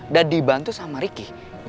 dan dibantu sama riki